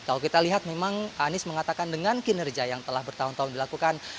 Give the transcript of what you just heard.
kalau kita lihat memang anies mengatakan dengan kinerja yang telah bertahun tahun dilakukan